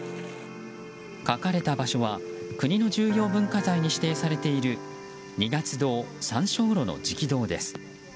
描かれた場所は国の重要文化財に指定されている二月堂参籠所の食堂です。